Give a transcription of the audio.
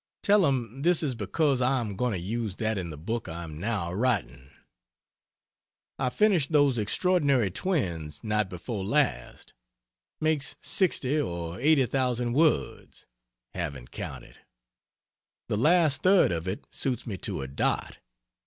Tell him this is because I am going to use that in the book I am now writing. I finished "Those Extraordinary Twins" night before last makes 60 or 80,000 words haven't counted. The last third of it suits me to a dot.